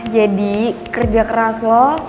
jadi kerja keras lo